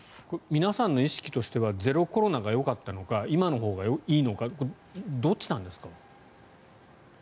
皆さんの意識としてはゼロコロナのほうがよかったのか今のほうがいいのかどっちなんですか？